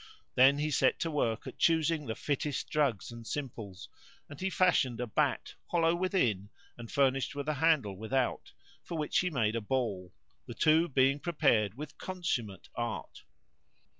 Then he set to work at choosing the fittest drugs and simples and he fashioned a bat hollow within, and furnished with a handle without, for which he made a ball; the two being prepared with consummate art.